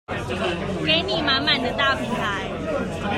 給你滿滿的大平台